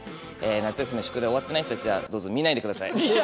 夏休みの宿題終わってない人たちはどうぞ見ないでください。